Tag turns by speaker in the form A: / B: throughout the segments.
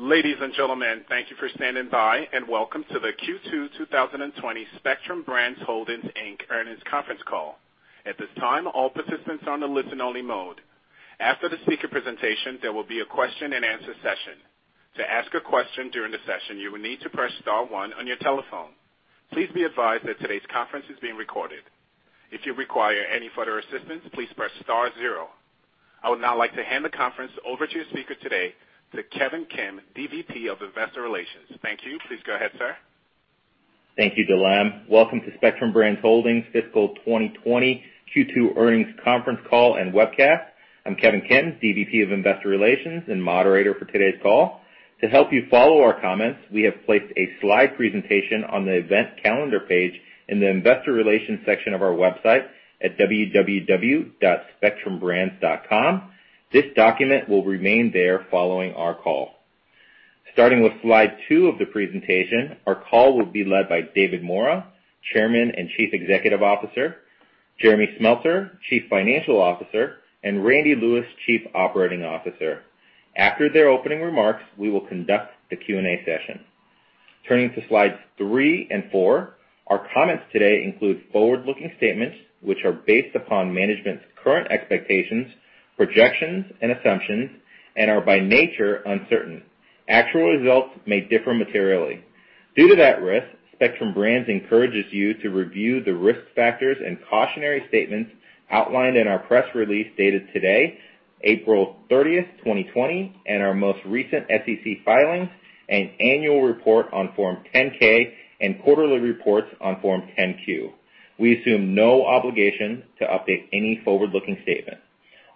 A: Ladies and gentlemen, thank you for standing by, and welcome to the Q2 2020 Spectrum Brands Holdings, Inc earnings conference call. At this time, all participants are on a listen-only mode. After the speaker presentation, there will be a question and answer session. To ask a question during the session, you will need to press star one on your telephone. Please be advised that today's conference is being recorded. If you require any further assistance, please press star zero. I would now like to hand the conference over to your speaker today, to Kevin Kim, DVP of Investor Relations. Thank you. Please go ahead, sir.
B: Thank you, Operator. Welcome to Spectrum Brands Holdings fiscal 2020 Q2 earnings conference call and webcast. I'm Kevin Kim, DVP of Investor Relations and moderator for today's call. To help you follow our comments, we have placed a slide presentation on the event calendar page in the investor relations section of our website at www.spectrumbrands.com. This document will remain there following our call. Starting with slide two of the presentation, our call will be led by David Maura, Chairman and Chief Executive Officer, Jeremy Smeltser, Chief Financial Officer, and Randy Lewis, Chief Operating Officer. After their opening remarks, we will conduct the Q&A session. Turning to slides three and four, our comments today include forward-looking statements which are based upon management's current expectations, projections and assumptions, and are by nature uncertain. Actual results may differ materially. Due to that risk, Spectrum Brands encourages you to review the risk factors and cautionary statements outlined in our press release dated today, April 30, 2020, and our most recent SEC filings and annual report on Form 10-K and quarterly reports on Form 10-Q. We assume no obligation to update any forward-looking statement.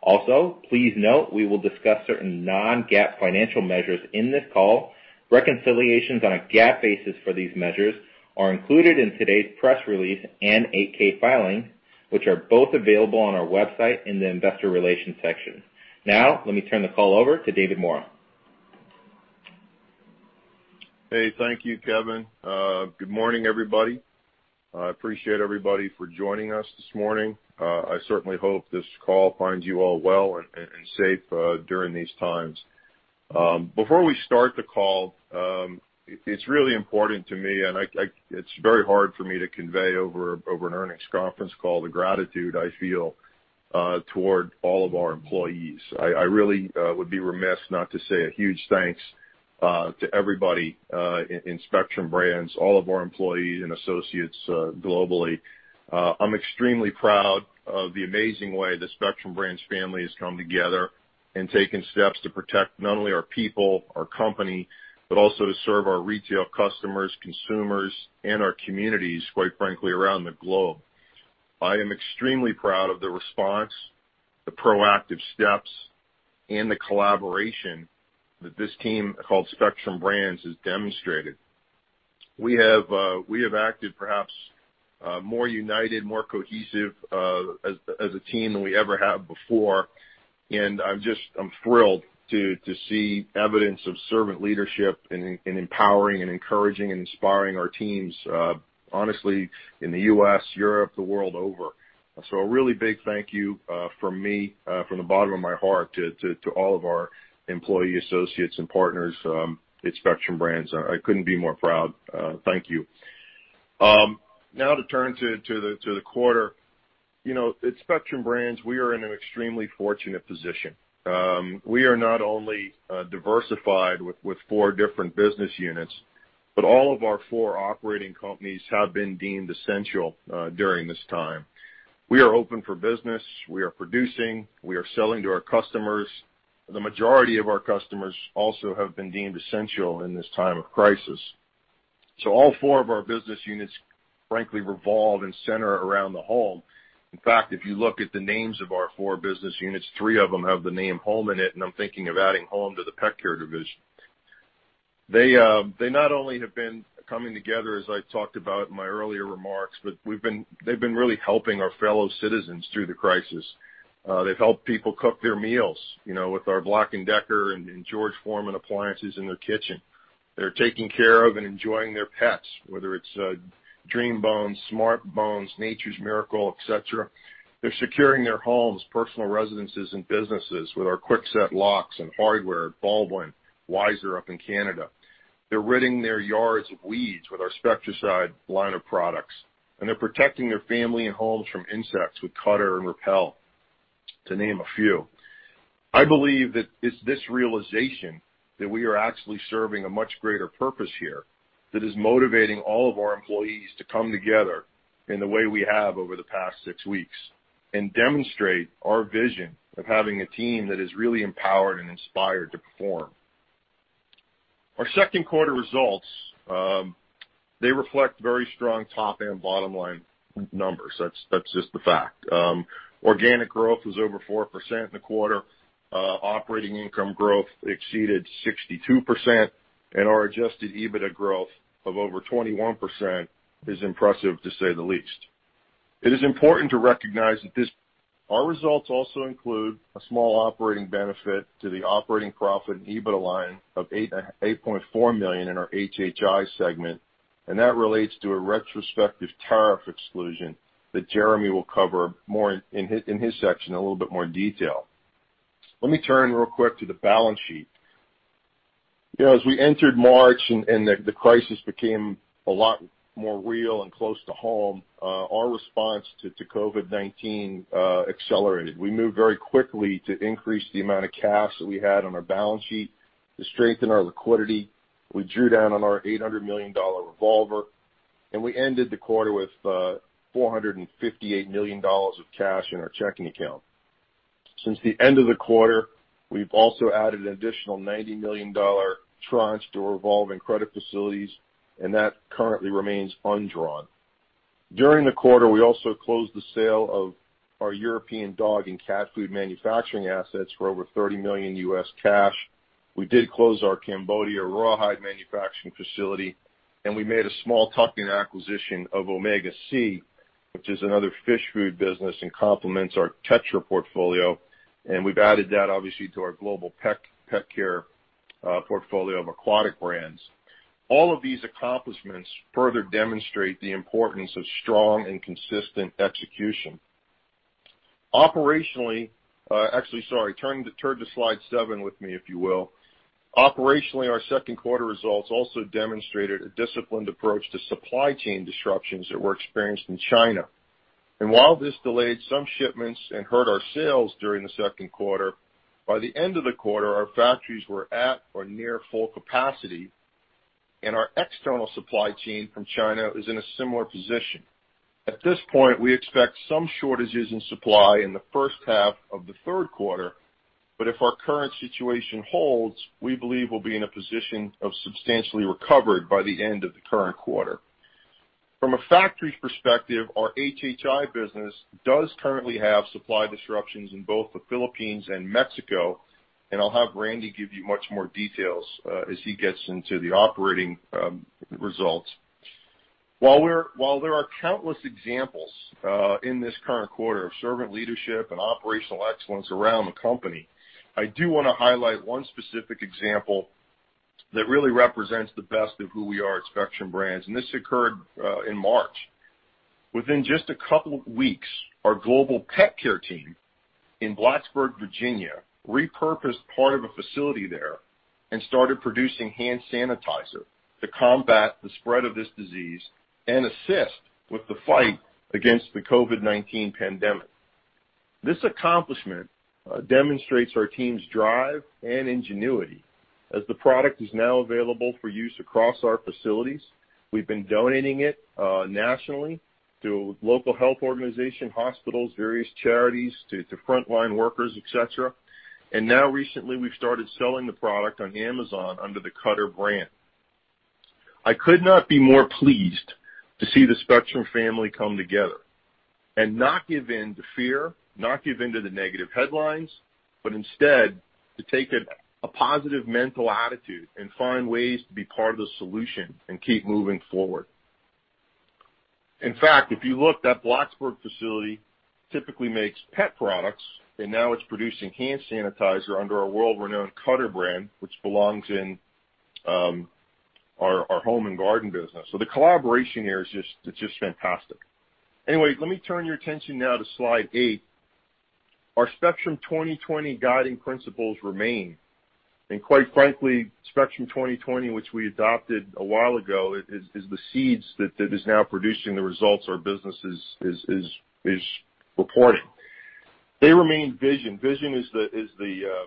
B: Also, please note we will discuss certain non-GAAP financial measures in this call. Reconciliations on a GAAP basis for these measures are included in today's press release and 8-K filing, which are both available on our website in the investor relations section. Now, let me turn the call over to David Maura.
C: Hey. Thank you, Kevin. Good morning, everybody. I appreciate everybody for joining us this morning. I certainly hope this call finds you all well and safe during these times. Before we start the call, it's really important to me, and it's very hard for me to convey over an earnings conference call the gratitude I feel toward all of our employees. I really would be remiss not to say a huge thanks to everybody in Spectrum Brands, all of our employees and associates globally. I'm extremely proud of the amazing way the Spectrum Brands family has come together in taking steps to protect not only our people, our company, but also to serve our retail customers, consumers, and our communities, quite frankly, around the globe. I am extremely proud of the response, the proactive steps, and the collaboration that this team called Spectrum Brands has demonstrated. We have acted perhaps more united, more cohesive as a team than we ever have before. I'm thrilled to see evidence of servant leadership in empowering and encouraging and inspiring our teams, honestly, in the U.S., Europe, the world over. A really big thank you from me, from the bottom of my heart to all of our employee associates and partners at Spectrum Brands. I couldn't be more proud. Thank you. Now to turn to the quarter. At Spectrum Brands, we are in an extremely fortunate position. We are not only diversified with four different business units, but all of our four operating companies have been deemed essential during this time. We are open for business. We are producing. We are selling to our customers. The majority of our customers also have been deemed essential in this time of crisis. All four of our business units, frankly, revolve and center around the home. In fact, if you look at the names of our four business units, three of them have the name home in it, and I'm thinking of adding home to the pet care division. They not only have been coming together, as I talked about in my earlier remarks, but they've been really helping our fellow citizens through the crisis. They've helped people cook their meals, with our Black & Decker and George Foreman appliances in their kitchen. They're taking care of and enjoying their pets, whether it's DreamBone, SmartBones, Nature's Miracle, et cetera. They're securing their homes, personal residences, and businesses with our Kwikset locks and hardware at Baldwin, Weiser up in Canada. They're ridding their yards of weeds with our Spectracide line of products, and they're protecting their family and homes from insects with Cutter and Repel, to name a few. I believe that it's this realization that we are actually serving a much greater purpose here that is motivating all of our employees to come together in the way we have over the past six weeks and demonstrate our vision of having a team that is really empowered and inspired to perform. Our second quarter results, they reflect very strong top and bottom-line numbers. That's just the fact. Organic growth was over 4% in the quarter. Operating income growth exceeded 62%, and our adjusted EBITDA growth of over 21% is impressive to say the least. It is important to recognize that our results also include a small operating benefit to the operating profit and EBITDA line of $8.4 million in our HHI segment that relates to a retrospective tariff exclusion that Jeremy will cover more in his section in a little bit more detail. Let me turn real quick to the balance sheet. As we entered March and the crisis became a lot more real and close to home, our response to COVID-19 accelerated. We moved very quickly to increase the amount of cash that we had on our balance sheet to strengthen our liquidity. We drew down on our $800 million revolver. We ended the quarter with $458 million of cash in our checking account. Since the end of the quarter, we've also added an additional $90 million tranche to our revolving credit facilities. That currently remains undrawn. During the quarter, we also closed the sale of our European dog and cat food manufacturing assets for over $30 million U.S. cash. We did close our Cambodia rawhide manufacturing facility, and we made a small tuck-in acquisition of Omega Sea, which is another fish food business and complements our Tetra portfolio, and we've added that, obviously, to our Global Pet Care portfolio of aquatic brands. All of these accomplishments further demonstrate the importance of strong and consistent execution. Actually, sorry, turn to slide seven with me, if you will. Operationally, our second quarter results also demonstrated a disciplined approach to supply chain disruptions that were experienced in China. While this delayed some shipments and hurt our sales during the second quarter, by the end of the quarter, our factories were at or near full capacity, and our external supply chain from China is in a similar position. At this point, we expect some shortages in supply in the first half of the third quarter, but if our current situation holds, we believe we'll be in a position of substantially recovered by the end of the current quarter. From a factory perspective, our HHI business does currently have supply disruptions in both the Philippines and Mexico, and I'll have Randy give you much more details as he gets into the operating results. While there are countless examples in this current quarter of servant leadership and operational excellence around the company, I do want to highlight one specific example that really represents the best of who we are at Spectrum Brands. This occurred in March. Within just a couple of weeks, our Global Pet Care team in Blacksburg, Virginia, repurposed part of a facility there and started producing hand sanitizer to combat the spread of this disease and assist with the fight against the COVID-19 pandemic. This accomplishment demonstrates our team's drive and ingenuity, as the product is now available for use across our facilities. We've been donating it nationally to local health organization, hospitals, various charities, to frontline workers, et cetera. Now recently, we've started selling the product on Amazon under the Cutter brand. I could not be more pleased to see the Spectrum family come together and not give in to fear, not give into the negative headlines, but instead to take a positive mental attitude and find ways to be part of the solution and keep moving forward. In fact, if you look, that Blacksburg facility typically makes pet products, and now it's producing hand sanitizer under our world-renowned Cutter brand, which belongs in our Home & Garden business. The collaboration here is just fantastic. Let me turn your attention now to slide eight. Our Spectrum 2020 guiding principles remain. Quite frankly, Spectrum 2020, which we adopted a while ago, is the seeds that is now producing the results our business is reporting. They remain Vision. Vision is the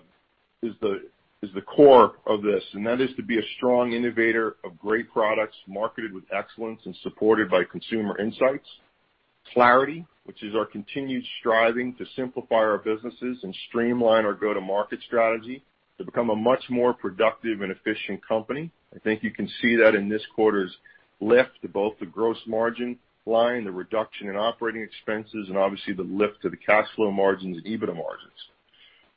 C: core of this, and that is to be a strong innovator of great products marketed with excellence and supported by consumer insights. Clarity, which is our continued striving to simplify our businesses and streamline our go-to-market strategy to become a much more productive and efficient company. I think you can see that in this quarter's lift to both the gross margin line, the reduction in operating expenses. Obviously the lift to the cash flow margins and EBITDA margins.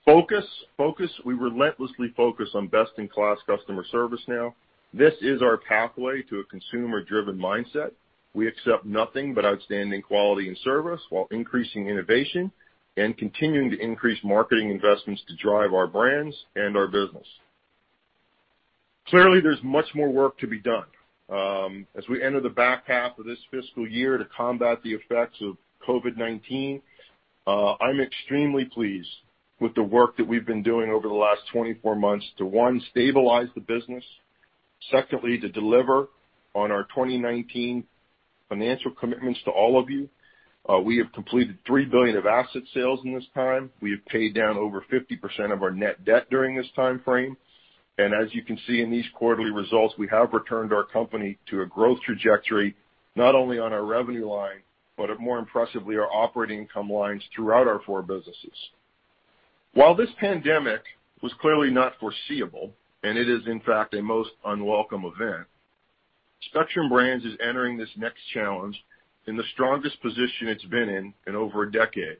C: Focus. We relentlessly focus on best-in-class customer service now. This is our pathway to a consumer-driven mindset. We accept nothing but outstanding quality and service while increasing innovation and continuing to increase marketing investments to drive our brands and our business. Clearly, there's much more work to be done. As we enter the back half of this fiscal year to combat the effects of COVID-19, I'm extremely pleased with the work that we've been doing over the last 24 months to, one, stabilize the business. Secondly, to deliver on our 2019 financial commitments to all of you. We have completed $3 billion of asset sales in this time. We have paid down over 50% of our net debt during this timeframe. As you can see in these quarterly results, we have returned our company to a growth trajectory, not only on our revenue line, but more impressively, our operating income lines throughout our four businesses. While this pandemic was clearly not foreseeable, and it is, in fact, a most unwelcome event, Spectrum Brands is entering this next challenge in the strongest position it's been in in over a decade.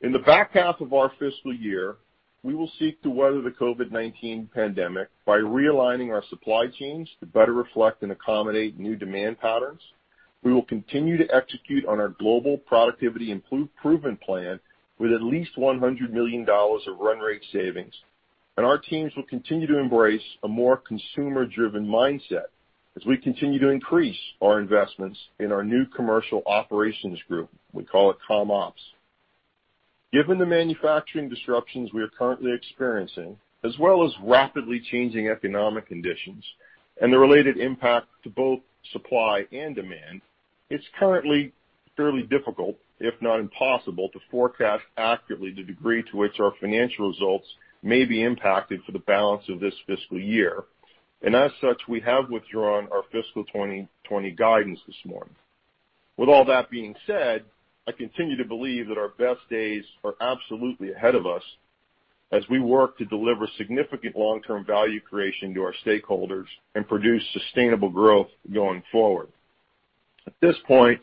C: In the back half of our fiscal year, we will seek to weather the COVID-19 pandemic by realigning our supply chains to better reflect and accommodate new demand patterns. We will continue to execute on our Global Productivity Improvement Plan with at least $100 million of run rate savings. Our teams will continue to embrace a more consumer-driven mindset as we continue to increase our investments in our new commercial operations group. We call it Comm Ops. Given the manufacturing disruptions we are currently experiencing, as well as rapidly changing economic conditions and the related impact to both supply and demand, it's currently fairly difficult, if not impossible, to forecast accurately the degree to which our financial results may be impacted for the balance of this fiscal year. As such, we have withdrawn our fiscal 2020 guidance this morning. With all that being said, I continue to believe that our best days are absolutely ahead of us as we work to deliver significant long-term value creation to our stakeholders and produce sustainable growth going forward. At this point,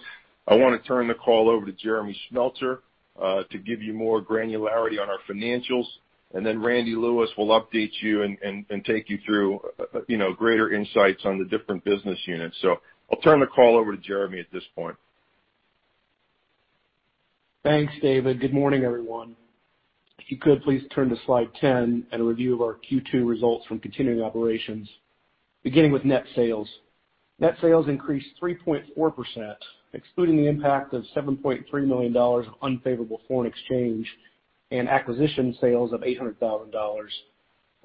C: I want to turn the call over to Jeremy Smeltser, to give you more granularity on our financials. Randy Lewis will update you and take you through greater insights on the different business units. I'll turn the call over to Jeremy at this point.
D: Thanks, David. Good morning, everyone. If you could, please turn to slide 10 and a review of our Q2 results from continuing operations, beginning with net sales. Net sales increased 3.4%, excluding the impact of $7.3 million of unfavorable foreign exchange and acquisition sales of $800,000.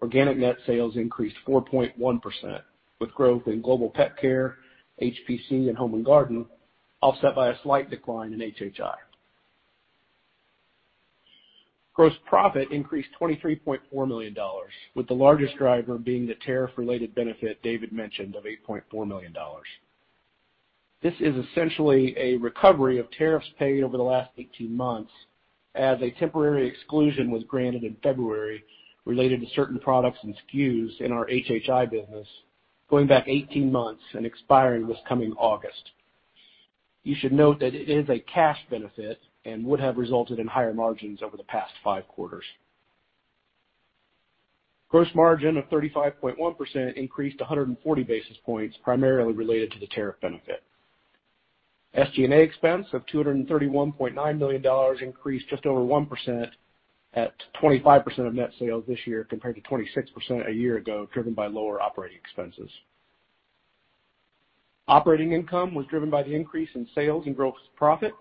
D: Organic net sales increased 4.1%, with growth in Global Pet Care, HPC, and Home and Garden, offset by a slight decline in HHI. Gross profit increased $23.4 million, with the largest driver being the tariff-related benefit David mentioned of $8.4 million. This is essentially a recovery of tariffs paid over the last 18 months as a temporary exclusion was granted in February related to certain products and SKUs in our HHI business, going back 18 months and expiring this coming August. You should note that it is a cash benefit and would have resulted in higher margins over the past five quarters. Gross margin of 35.1% increased 140 basis points, primarily related to the tariff benefit. SG&A expense of $231.9 million increased just over 1% at 25% of net sales this year, compared to 26% a year ago, driven by lower operating expenses. Operating income was driven by the increase in sales and gross profit.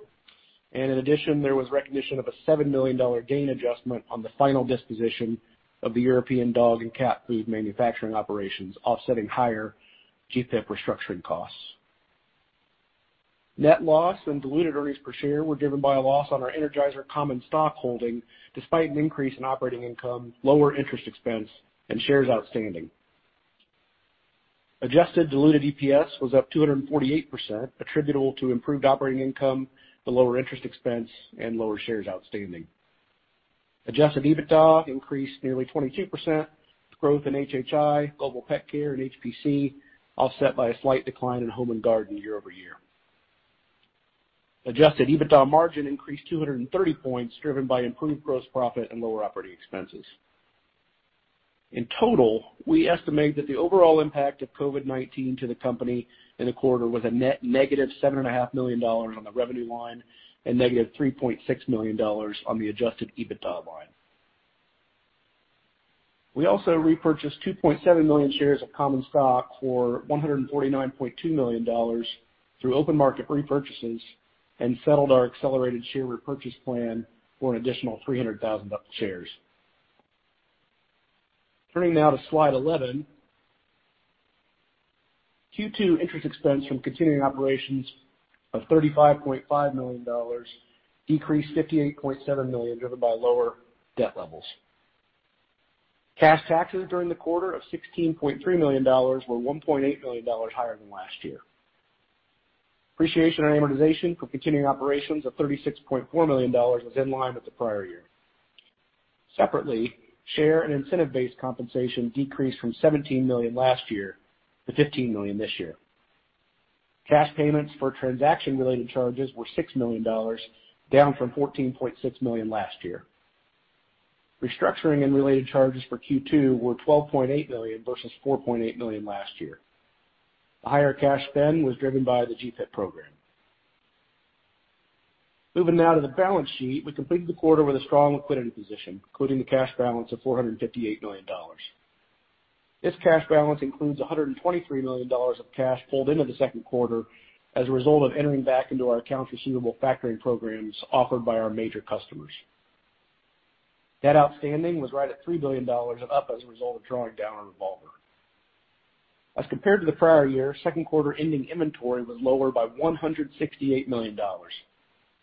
D: In addition, there was recognition of a $7 million gain adjustment on the final disposition of the European dog and cat food manufacturing operations, offsetting higher GPET restructuring costs. Net loss and diluted EPS were driven by a loss on our Energizer common stock holding, despite an increase in operating income, lower interest expense, and shares outstanding. Adjusted diluted EPS was up 248%, attributable to improved operating income, the lower interest expense, and lower shares outstanding. Adjusted EBITDA increased nearly 22%, with growth in HHI, Global Pet Care, and HPC, offset by a slight decline in Home & Garden year-over-year. Adjusted EBITDA margin increased 230 points, driven by improved gross profit and lower operating expenses. In total, we estimate that the overall impact of COVID-19 to the company in the quarter was a net -$7.5 million on the revenue line and -$3.6 million on the adjusted EBITDA line. We also repurchased 2.7 million shares of common stock for $149.2 million through open market repurchases and settled our accelerated share repurchase plan for an additional 300,000 shares. Turning now to slide 11. Q2 interest expense from continuing operations of $35.5 million, decreased $58.7 million, driven by lower debt levels. Cash taxes during the quarter of $16.3 million were $1.8 million higher than last year. Depreciation and amortization for continuing operations of $36.4 million was in line with the prior year. Separately, share and incentive-based compensation decreased from $17 million last year to $15 million this year. Cash payments for transaction-related charges were $6 million, down from $14.6 million last year. Restructuring and related charges for Q2 were $12.8 million versus $4.8 million last year. The higher cash spend was driven by the GPIP program. Moving now to the balance sheet. We completed the quarter with a strong liquidity position, including the cash balance of $458 million. This cash balance includes $123 million of cash pulled into the second quarter as a result of entering back into our accounts receivable factoring programs offered by our major customers. Debt outstanding was right at $3 billion, up as a result of drawing down our revolver. As compared to the prior year, second quarter ending inventory was lower by $168 million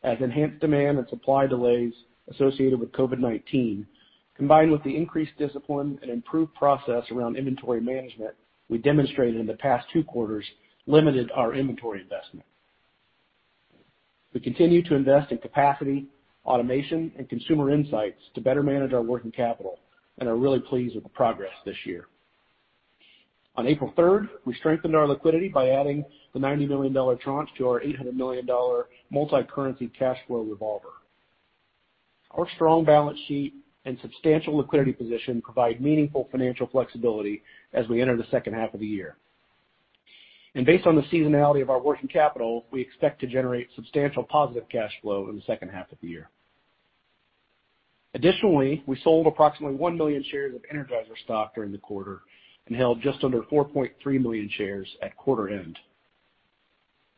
D: as enhanced demand and supply delays associated with COVID-19, combined with the increased discipline and improved process around inventory management we demonstrated in the past two quarters, limited our inventory investment. We continue to invest in capacity, automation, and consumer insights to better manage our working capital and are really pleased with the progress this year. On April 3rd, we strengthened our liquidity by adding the $90 million tranche to our $800 million multi-currency cash flow revolver. Our strong balance sheet and substantial liquidity position provide meaningful financial flexibility as we enter the second half of the year. Based on the seasonality of our working capital, we expect to generate substantial positive cash flow in the second half of the year. Additionally, we sold approximately 1 million shares of Energizer stock during the quarter and held just under 4.3 million shares at quarter end.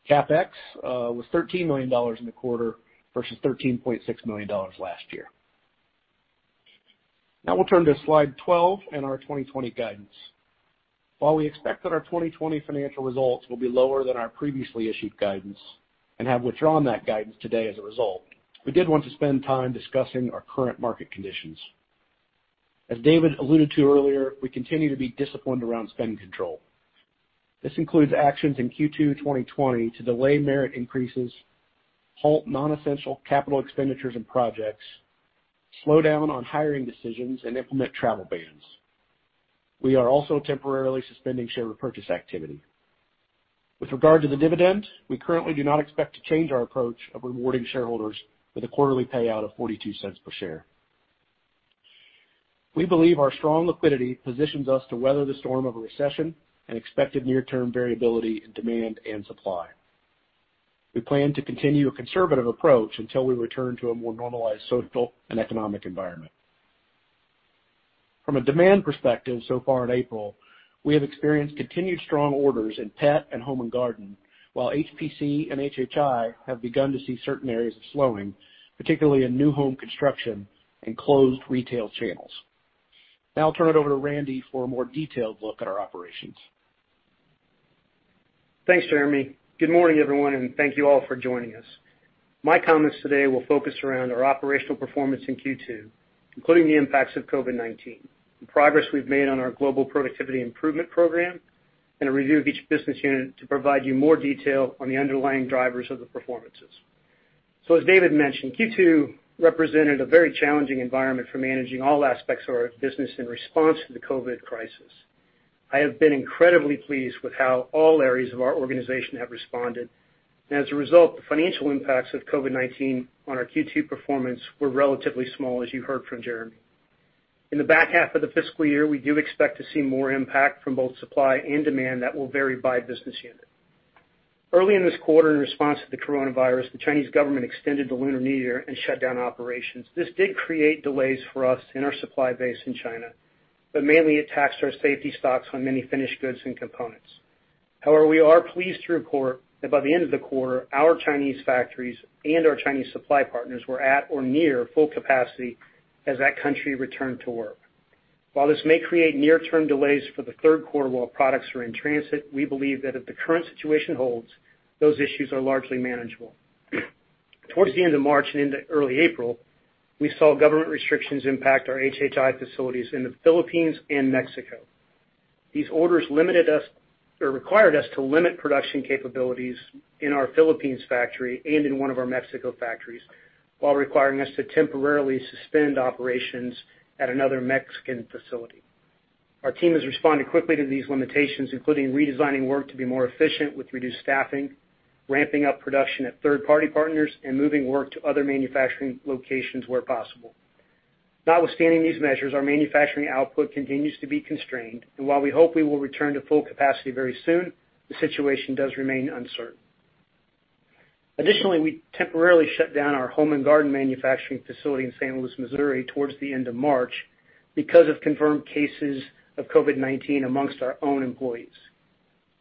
D: CapEx was $13 million in the quarter versus $13.6 million last year. We'll turn to slide 12 and our 2020 guidance. While we expect that our 2020 financial results will be lower than our previously issued guidance and have withdrawn that guidance today as a result, we did want to spend time discussing our current market conditions. As David alluded to earlier, we continue to be disciplined around spending control. This includes actions in Q2 2020 to delay merit increases, halt non-essential capital expenditures and projects, slow down on hiring decisions, and implement travel bans. We are also temporarily suspending share repurchase activity. With regard to the dividend, we currently do not expect to change our approach of rewarding shareholders with a quarterly payout of $0.42 per share. We believe our strong liquidity positions us to weather the storm of a recession and expected near-term variability in demand and supply. We plan to continue a conservative approach until we return to a more normalized social and economic environment. From a demand perspective so far in April, we have experienced continued strong orders in Pet and Home and Garden, while HPC and HHI have begun to see certain areas of slowing, particularly in new home construction and closed retail channels. Now I'll turn it over to Randy for a more detailed look at our operations.
E: Thanks, Jeremy. Good morning, everyone, and thank you all for joining us. My comments today will focus around our operational performance in Q2, including the impacts of COVID-19, the progress we've made on our Global Productivity Improvement Plan, and a review of each business unit to provide you more detail on the underlying drivers of the performances. As David mentioned, Q2 represented a very challenging environment for managing all aspects of our business in response to the COVID crisis. I have been incredibly pleased with how all areas of our organization have responded. As a result, the financial impacts of COVID-19 on our Q2 performance were relatively small, as you heard from Jeremy. In the back half of the fiscal year, we do expect to see more impact from both supply and demand that will vary by business unit. Early in this quarter, in response to the coronavirus, the Chinese government extended the Lunar New Year and shut down operations. This did create delays for us in our supply base in China, mainly it taxed our safety stocks on many finished goods and components. We are pleased to report that by the end of the quarter, our Chinese factories and our Chinese supply partners were at or near full capacity as that country returned to work. This may create near-term delays for the third quarter while products are in transit, we believe that if the current situation holds, those issues are largely manageable. Towards the end of March and into early April, we saw government restrictions impact our HHI facilities in the Philippines and Mexico. These orders limited us or required us to limit production capabilities in our Philippines factory and in one of our Mexico factories while requiring us to temporarily suspend operations at another Mexican facility. Our team has responded quickly to these limitations, including redesigning work to be more efficient with reduced staffing, ramping up production at third-party partners, and moving work to other manufacturing locations where possible. Notwithstanding these measures, our manufacturing output continues to be constrained, and while we hope we will return to full capacity very soon, the situation does remain uncertain. Additionally, we temporarily shut down our Home & Garden manufacturing facility in St. Louis, Missouri, towards the end of March because of confirmed cases of COVID-19 amongst our own employees.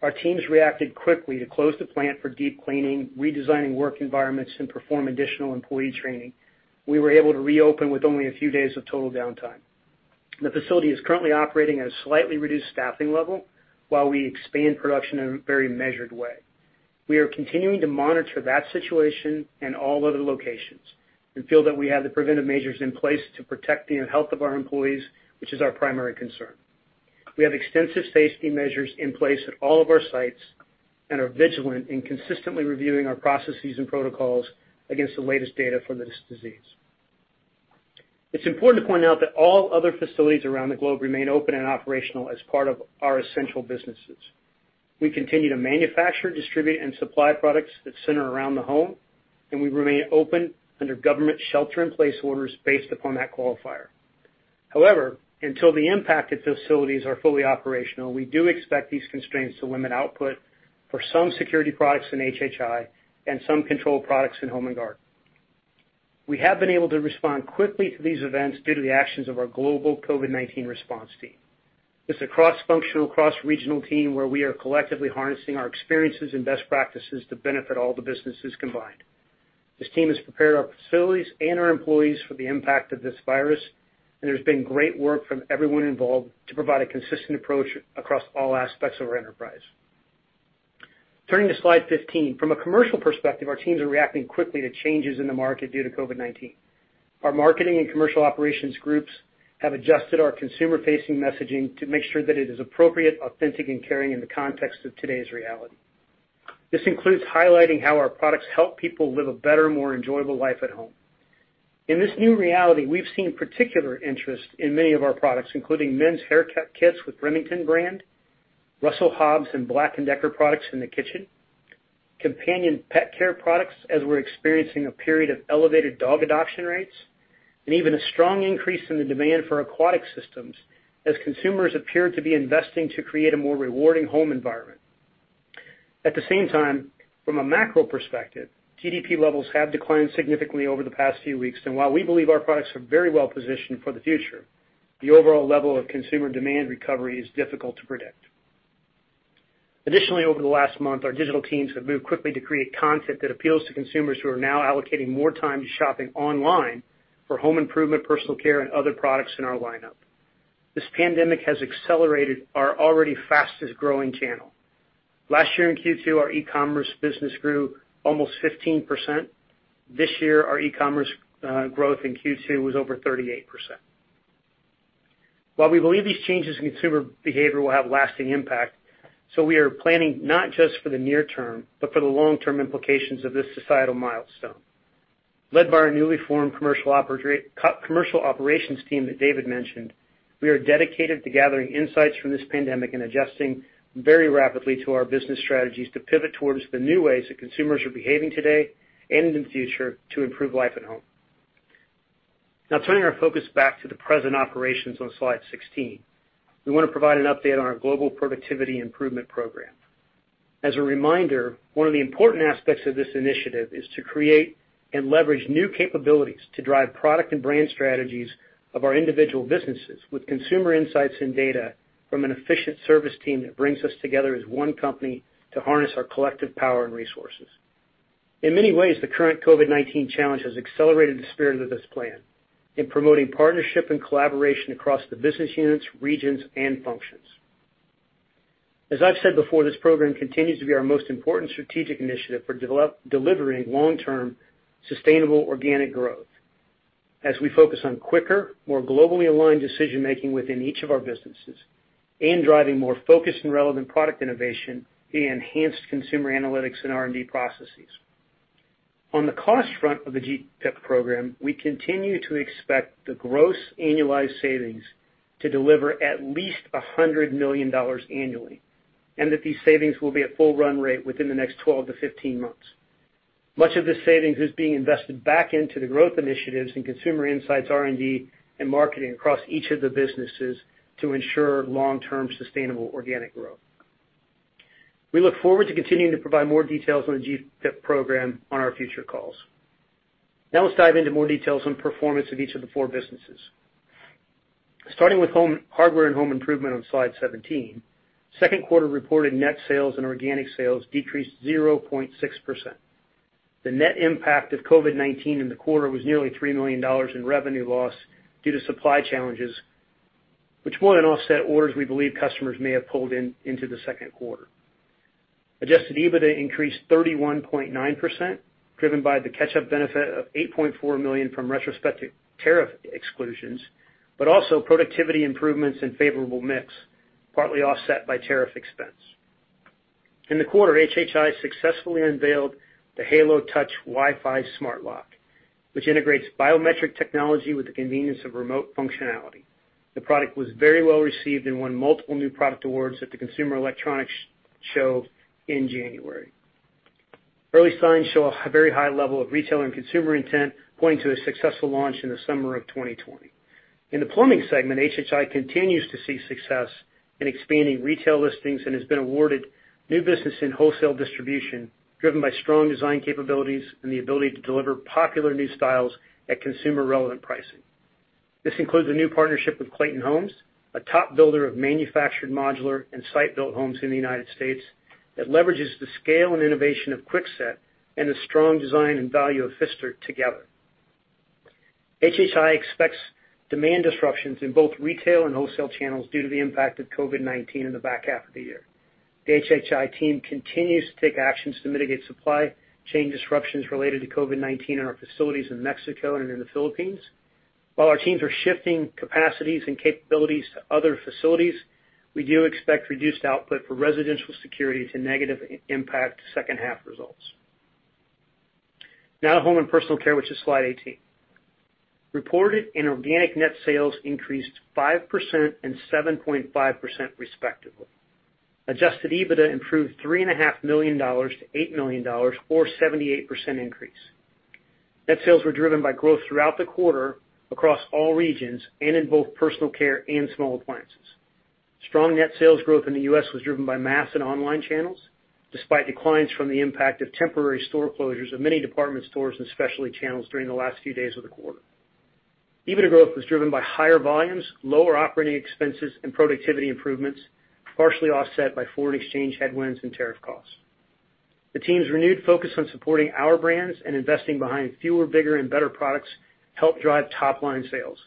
E: Our teams reacted quickly to close the plant for deep cleaning, redesigning work environments, and perform additional employee training. We were able to reopen with only a few days of total downtime. The facility is currently operating at a slightly reduced staffing level while we expand production in a very measured way. We are continuing to monitor that situation and all other locations and feel that we have the preventive measures in place to protect the health of our employees, which is our primary concern. We have extensive safety measures in place at all of our sites and are vigilant in consistently reviewing our processes and protocols against the latest data for this disease. It's important to point out that all other facilities around the globe remain open and operational as part of our essential businesses. We continue to manufacture, distribute, and supply products that center around the home. We remain open under government shelter in place orders based upon that qualifier. However, until the impacted facilities are fully operational, we do expect these constraints to limit output for some security products in HHI and some control products in Home & Garden. We have been able to respond quickly to these events due to the actions of our global COVID-19 response team. It's a cross-functional, cross-regional team where we are collectively harnessing our experiences and best practices to benefit all the businesses combined. This team has prepared our facilities and our employees for the impact of this virus. There's been great work from everyone involved to provide a consistent approach across all aspects of our enterprise. Turning to slide 15. From a commercial perspective, our teams are reacting quickly to changes in the market due to COVID-19. Our marketing and commercial operations groups have adjusted our consumer-facing messaging to make sure that it is appropriate, authentic, and caring in the context of today's reality. This includes highlighting how our products help people live a better, more enjoyable life at home. In this new reality, we've seen particular interest in many of our products, including men's haircut kits with Remington brand, Russell Hobbs, and Black & Decker products in the kitchen, companion pet care products as we're experiencing a period of elevated dog adoption rates, and even a strong increase in the demand for aquatic systems as consumers appear to be investing to create a more rewarding home environment. At the same time, from a macro perspective, GDP levels have declined significantly over the past few weeks, and while we believe our products are very well positioned for the future, the overall level of consumer demand recovery is difficult to predict. Additionally, over the last month, our digital teams have moved quickly to create content that appeals to consumers who are now allocating more time to shopping online for home improvement, personal care and other products in our lineup. This pandemic has accelerated our already fastest-growing channel. Last year in Q2, our e-commerce business grew almost 15%. This year, our e-commerce growth in Q2 was over 38%. While we believe these changes in consumer behavior will have lasting impact, so we are planning not just for the near term, but for the long-term implications of this societal milestone. Led by our newly formed commercial operations team that David mentioned, we are dedicated to gathering insights from this pandemic and adjusting very rapidly to our business strategies to pivot towards the new ways that consumers are behaving today and in the future to improve life at home. Now turning our focus back to the present operations on slide 16. We want to provide an update on our Global Productivity Improvement Plan. As a reminder, one of the important aspects of this initiative is to create and leverage new capabilities to drive product and brand strategies of our individual businesses with consumer insights and data from an efficient service team that brings us together as one company to harness our collective power and resources. In many ways, the current COVID-19 challenge has accelerated the spirit of this plan in promoting partnership and collaboration across the business units, regions, and functions. As I've said before, this program continues to be our most important strategic initiative for delivering long-term, sustainable organic growth as we focus on quicker, more globally aligned decision-making within each of our businesses and driving more focused and relevant product innovation and enhanced consumer analytics and R&D processes. On the cost front of the GPIP program, we continue to expect the gross annualized savings to deliver at least $100 million annually, and that these savings will be at full run rate within the next 12 to 15 months. Much of the savings is being invested back into the growth initiatives in consumer insights, R&D and marketing across each of the businesses to ensure long-term sustainable organic growth. We look forward to continuing to provide more details on the GPIP program on our future calls. Now let's dive into more details on performance of each of the four businesses. Starting with Hardware and Home Improvement on slide 17, second quarter reported net sales and organic sales decreased 0.6%. The net impact of COVID-19 in the quarter was nearly $3 million in revenue loss due to supply challenges, which more than offset orders we believe customers may have pulled into the second quarter. Adjusted EBITDA increased 31.9%, driven by the catch-up benefit of $8.4 million from retrospective tariff exclusions, but also productivity improvements and favorable mix, partly offset by tariff expense. In the quarter, HHI successfully unveiled the Halo Touch Wi-Fi Smart Lock, which integrates biometric technology with the convenience of remote functionality. The product was very well received and won multiple new product awards at the Consumer Electronics Show in January. Early signs show a very high level of retail and consumer intent, pointing to a successful launch in the summer of 2020. In the plumbing segment, HHI continues to see success in expanding retail listings and has been awarded new business in wholesale distribution, driven by strong design capabilities and the ability to deliver popular new styles at consumer-relevant pricing. This includes a new partnership with Clayton Homes, a top builder of manufactured modular and site-built homes in the United States that leverages the scale and innovation of Kwikset and the strong design and value of Pfister together. HHI expects demand disruptions in both retail and wholesale channels due to the impact of COVID-19 in the back half of the year. The HHI team continues to take actions to mitigate supply chain disruptions related to COVID-19 in our facilities in Mexico and in the Philippines. While our teams are shifting capacities and capabilities to other facilities, we do expect reduced output for residential security to negatively impact second half results. Now to Home and Personal Care, which is slide 18. Reported and organic net sales increased 5% and 7.5% respectively. Adjusted EBITDA improved $3.5 million to $8 million, or 78% increase. Net sales were driven by growth throughout the quarter across all regions and in both personal care and small appliances. Strong net sales growth in the U.S. was driven by mass and online channels, despite declines from the impact of temporary store closures of many department stores and specialty channels during the last few days of the quarter. EBITDA growth was driven by higher volumes, lower operating expenses and productivity improvements, partially offset by foreign exchange headwinds and tariff costs. The team's renewed focus on supporting our brands and investing behind fewer, bigger and better products helped drive top-line sales.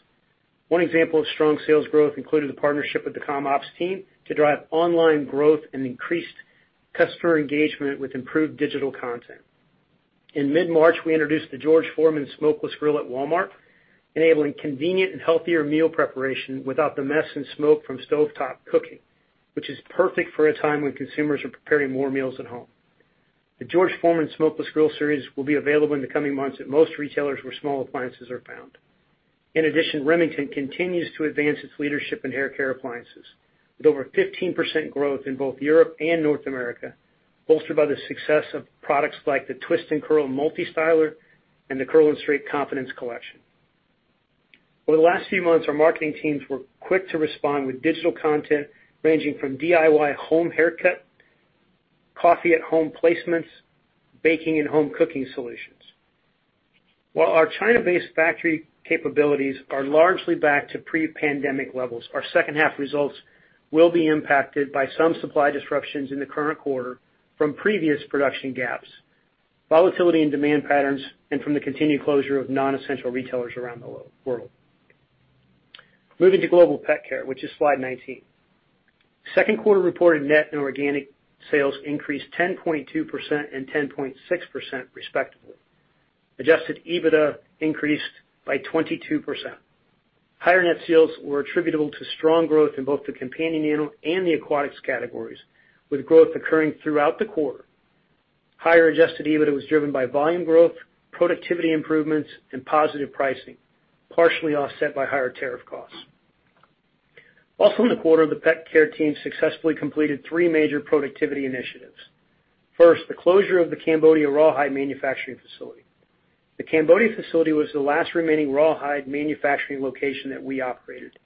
E: One example of strong sales growth included a partnership with the Comm Ops team to drive online growth and increased customer engagement with improved digital content. In mid-March, we introduced the George Foreman Smokeless Grill at Walmart, enabling convenient and healthier meal preparation without the mess and smoke from stovetop cooking, which is perfect for a time when consumers are preparing more meals at home. The George Foreman Smokeless Grill series will be available in the coming months at most retailers where small appliances are found. Remington continues to advance its leadership in hair care appliances with over 15% growth in both Europe and North America, bolstered by the success of products like the Twist & Curl Multi-Styler and the Curl and Straight Confidence Collection. Over the last few months, our marketing teams were quick to respond with digital content ranging from DIY home haircut, coffee at home placements, baking and home cooking solutions. While our China-based factory capabilities are largely back to pre-pandemic levels, our second half results will be impacted by some supply disruptions in the current quarter from previous production gaps, volatility in demand patterns, and from the continued closure of non-essential retailers around the world. Moving to Global Pet Care, which is slide 19. Second quarter reported net and organic sales increased 10.2% and 10.6% respectively. Adjusted EBITDA increased by 22%. Higher net sales were attributable to strong growth in both the companion animal and the aquatics categories, with growth occurring throughout the quarter. Higher adjusted EBITDA was driven by volume growth, productivity improvements, and positive pricing, partially offset by higher tariff costs. In the quarter, the Global Pet Care team successfully completed three major productivity initiatives. First, the closure of the Cambodia rawhide manufacturing facility. The Cambodia facility was the last remaining rawhide manufacturing location that we operated,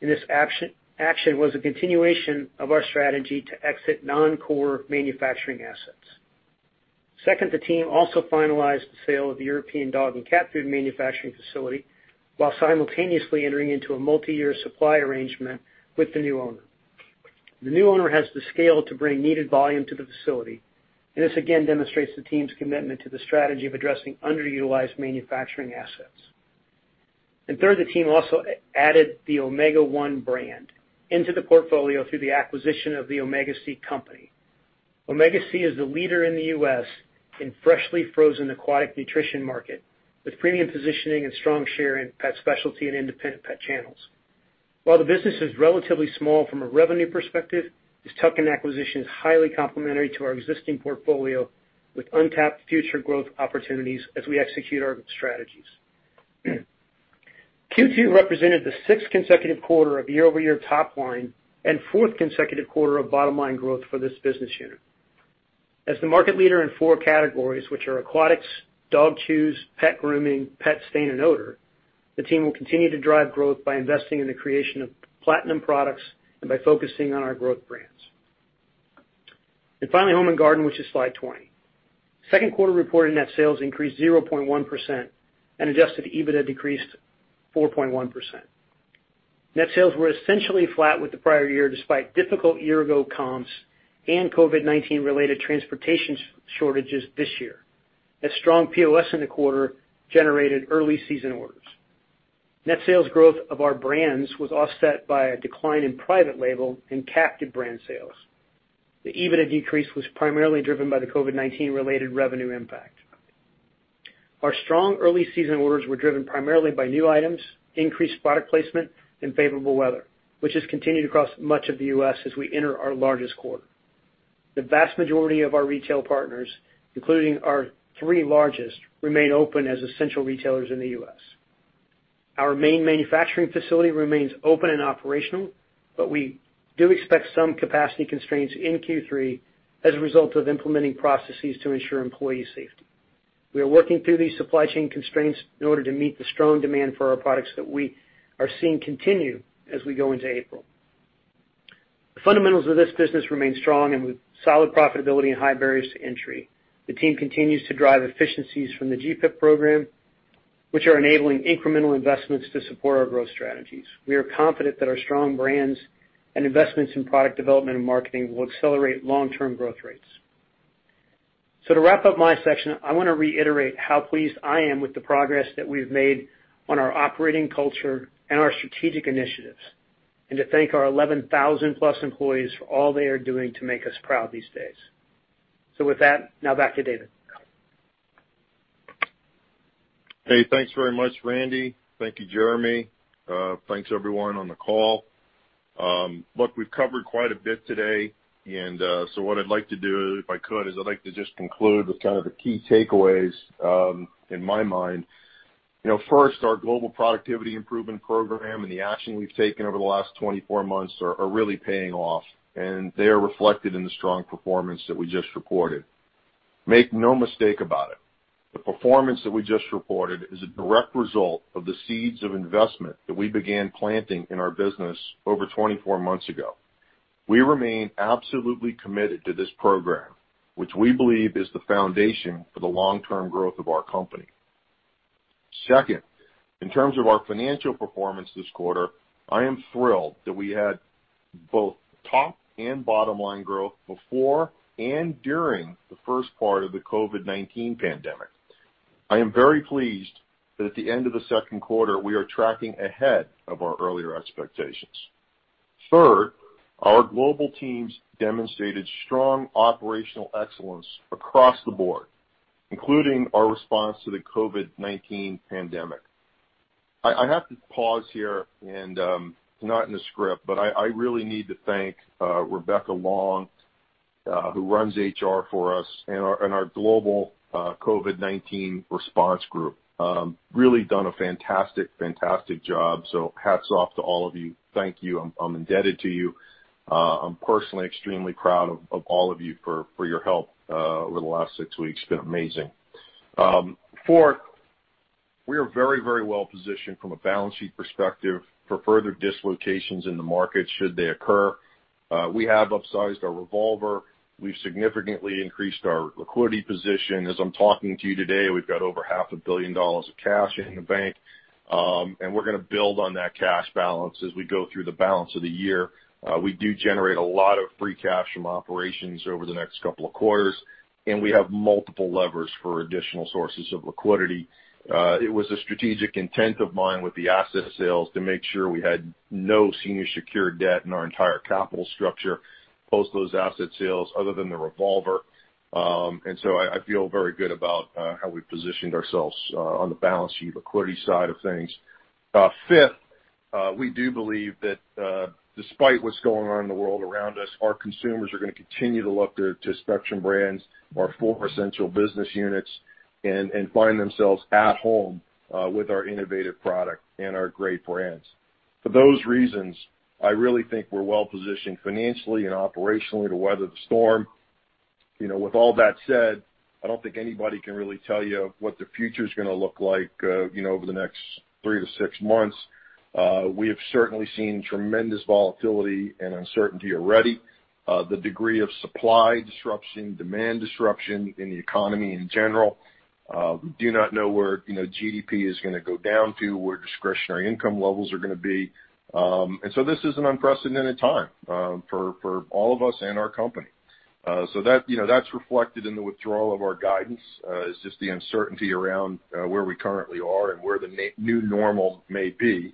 E: and this action was a continuation of our strategy to exit non-core manufacturing assets. Second, the team also finalized the sale of the European dog and cat food manufacturing facility while simultaneously entering into a multi-year supply arrangement with the new owner. The new owner has the scale to bring needed volume to the facility, and this again demonstrates the team's commitment to the strategy of addressing underutilized manufacturing assets. Third, the team also added the Omega One brand into the portfolio through the acquisition of the Omega Sea company. Omega Sea is the leader in the U.S. in freshly frozen aquatic nutrition market, with premium positioning and strong share in pet specialty and independent pet channels. While the business is relatively small from a revenue perspective, this tuck-in acquisition is highly complementary to our existing portfolio with untapped future growth opportunities as we execute our strategies. Q2 represented the sixth consecutive quarter of year-over-year top line and fourth consecutive quarter of bottom-line growth for this business unit. As the market leader in 4 categories, which are aquatics, dog chews, pet grooming, pet stain and odor, the team will continue to drive growth by investing in the creation of platinum products and by focusing on our growth brands. Finally, Home & Garden, which is slide 20. Second quarter reported net sales increased 0.1% and adjusted EBITDA decreased 4.1%. Net sales were essentially flat with the prior year, despite difficult year ago comps and COVID-19 related transportation shortages this year, as strong POS in the quarter generated early season orders. Net sales growth of our brands was offset by a decline in private label and captive brand sales. The EBITDA decrease was primarily driven by the COVID-19 related revenue impact. Our strong early season orders were driven primarily by new items, increased product placement, and favorable weather, which has continued across much of the U.S. as we enter our largest quarter. The vast majority of our retail partners, including our three largest, remain open as essential retailers in the U.S. Our main manufacturing facility remains open and operational, but we do expect some capacity constraints in Q3 as a result of implementing processes to ensure employee safety. We are working through these supply chain constraints in order to meet the strong demand for our products that we are seeing continue as we go into April. The fundamentals of this business remain strong, and with solid profitability and high barriers to entry. The team continues to drive efficiencies from the GPIP program, which are enabling incremental investments to support our growth strategies. We are confident that our strong brands and investments in product development and marketing will accelerate long-term growth rates. To wrap up my section, I want to reiterate how pleased I am with the progress that we've made on our operating culture and our strategic initiatives, and to thank our 11,000+ employees for all they are doing to make us proud these days. With that, now back to David.
C: Hey, thanks very much, Randy. Thank you, Jeremy. Thanks everyone on the call. Look, we've covered quite a bit today. What I'd like to do, if I could, is I'd like to just conclude with kind of the key takeaways in my mind. First, our Global Productivity Improvement Program and the action we've taken over the last 24 months are really paying off, and they are reflected in the strong performance that we just reported. Make no mistake about it, the performance that we just reported is a direct result of the seeds of investment that we began planting in our business over 24 months ago. We remain absolutely committed to this program, which we believe is the foundation for the long-term growth of our company. Second, in terms of our financial performance this quarter, I am thrilled that we had both top and bottom-line growth before and during the first part of the COVID-19 pandemic. I am very pleased that at the end of the second quarter, we are tracking ahead of our earlier expectations. Third, our global teams demonstrated strong operational excellence across the board, including our response to the COVID-19 pandemic. I have to pause here, and it's not in the script, but I really need to thank Rebeckah Long who runs HR for us and our global COVID-19 response group. They have really done a fantastic job. Hats off to all of you. Thank you. I'm indebted to you. I'm personally extremely proud of all of you for your help over the last six weeks. It has been amazing. We are very well-positioned from a balance sheet perspective for further dislocations in the market should they occur. We have upsized our revolver. We've significantly increased our liquidity position. As I'm talking to you today, we've got over half a billion dollars of cash in the bank, and we're going to build on that cash balance as we go through the balance of the year. We do generate a lot of free cash from operations over the next couple of quarters, and we have multiple levers for additional sources of liquidity. It was a strategic intent of mine with the asset sales to make sure we had no senior secured debt in our entire capital structure, post those asset sales other than the revolver. I feel very good about how we positioned ourselves on the balance sheet liquidity side of things. Fifth, we do believe that, despite what's going on in the world around us, our consumers are going to continue to look to Spectrum Brands, our four essential business units, and find themselves at home with our innovative product and our great brands. For those reasons, I really think we're well-positioned financially and operationally to weather the storm. With all that said, I don't think anybody can really tell you what the future's going to look like over the next three to six months. We have certainly seen tremendous volatility and uncertainty already. The degree of supply disruption, demand disruption in the economy in general. We do not know where GDP is going to go down to, where discretionary income levels are going to be. This is an unprecedented time for all of us and our company. That's reflected in the withdrawal of our guidance, is just the uncertainty around where we currently are and where the new normal may be.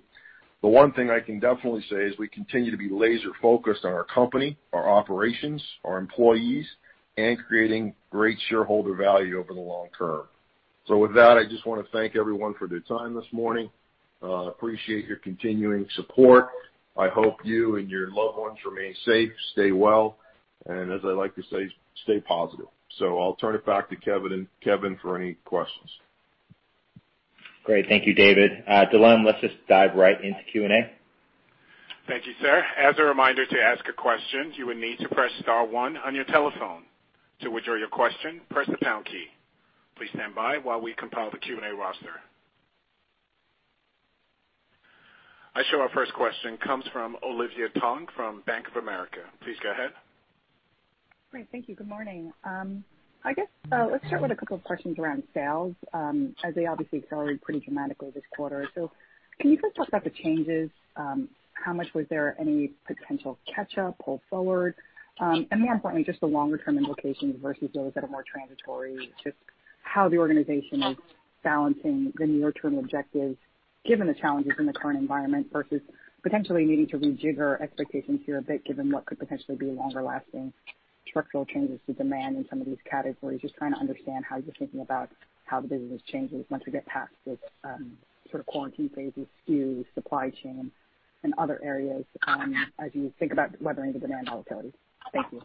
C: The one thing I can definitely say is we continue to be laser-focused on our company, our operations, our employees, and creating great shareholder value over the long term. With that, I just want to thank everyone for their time this morning. I appreciate your continuing support. I hope you and your loved ones remain safe, stay well, and as I like to say, stay positive. I'll turn it back to Kevin for any questions.
B: Great. Thank you, David. Delon, let's just dive right into Q&A.
A: Thank you, sir. As a reminder, to ask a question, you will need to press star one on your telephone. To withdraw your question, press the pound key. Please stand by while we compile the Q&A roster. I show our first question comes from Olivia Tong from Bank of America. Please go ahead.
F: Great. Thank you. Good morning. I guess let's start with a couple of questions around sales, as they obviously accelerated pretty dramatically this quarter. Can you just talk about the changes? How much was there any potential catch-up, pull forward? More importantly, just the longer-term implications versus those that are more transitory, just how the organization is balancing the near-term objectives, given the challenges in the current environment versus potentially needing to rejigger expectations here a bit, given what could potentially be longer-lasting structural changes to demand in some of these categories. Just trying to understand how you're thinking about how the business changes once we get past this sort of quarantine-related skew, supply chain and other areas as you think about weathering the demand volatility. Thank you.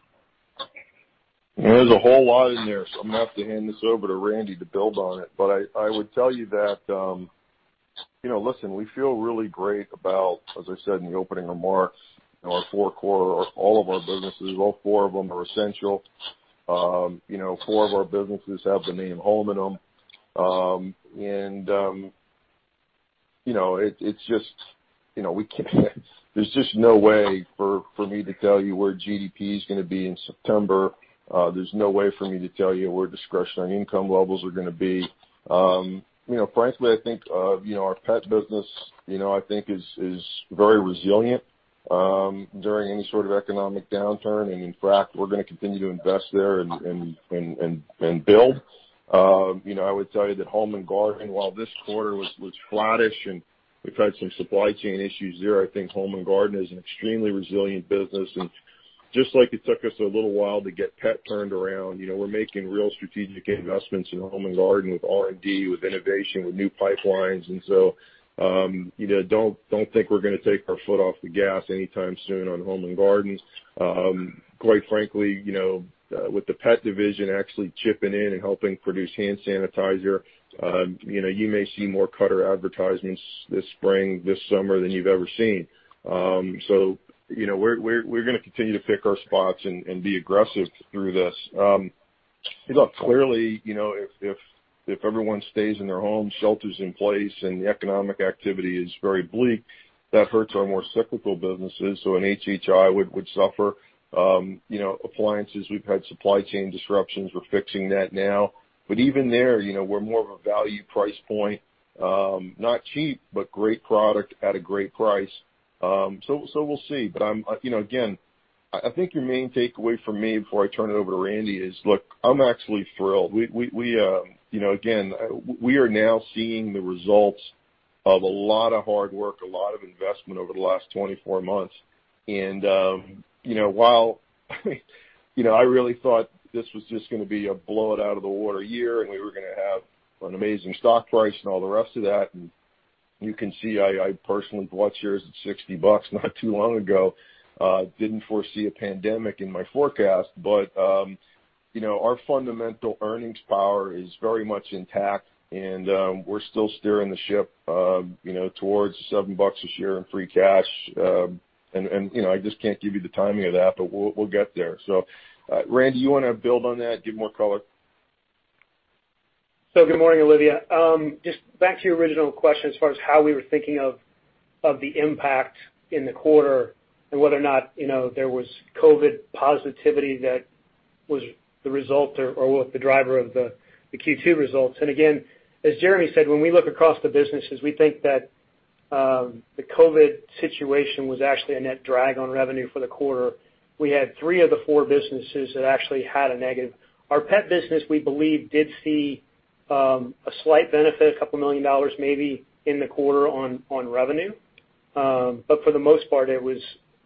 C: There's a whole lot in there. I'm going to have to hand this over to Randy to build on it. I would tell you that, listen, we feel really great about, as I said in the opening remarks, our four core, all of our businesses, all four of them are essential. Four of our businesses have the name home in them. There's just no way for me to tell you where GDP is going to be in September. There's no way for me to tell you where discretionary income levels are going to be. Frankly, I think our pet business, I think is very resilient during any sort of economic downturn. In fact, we're going to continue to invest there and build. I would tell you that Home & Garden, while this quarter was flattish and we've had some supply chain issues there, I think Home & Garden is an extremely resilient business. Just like it took us a little while to get pet turned around, we're making real strategic investments in Home & Garden with R&D, with innovation, with new pipelines. Don't think we're going to take our foot off the gas anytime soon on Home & Garden. Quite frankly, with the pet division actually chipping in and helping produce hand sanitizer, you may see more Cutter advertisements this spring, this summer than you've ever seen. We're going to continue to pick our spots and be aggressive through this. Look, clearly, if everyone stays in their homes, shelters in place, and the economic activity is very bleak, that hurts our more cyclical businesses. An HHI would suffer. Appliances, we've had supply chain disruptions. We're fixing that now. Even there, we're more of a value price point. Not cheap, but great product at a great price. We'll see. Again, I think your main takeaway from me before I turn it over to Randy is, look, I'm actually thrilled. Again, we are now seeing the results of a lot of hard work, a lot of investment over the last 24 months. While I really thought this was just going to be a blow-it-out-of-the-water year, and we were going to have an amazing stock price and all the rest of that. You can see I personally bought shares at $60 not too long ago. Didn't foresee a pandemic in my forecast, but our fundamental earnings power is very much intact, and we're still steering the ship towards $7 a share in free cash. I just can't give you the timing of that, but we'll get there. Randy, you want to build on that, give more color?
E: Good morning, Olivia. Just back to your original question, as far as how we were thinking of the impact in the quarter and whether or not there was COVID positivity that was the result or was the driver of the Q2 results. Again, as Jeremy said, when we look across the businesses, we think that the COVID situation was actually a net drag on revenue for the quarter. We had three of the four businesses that actually had a negative. Our pet business, we believe, did see a slight benefit, a couple million dollars, maybe, in the quarter on revenue. For the most part, it was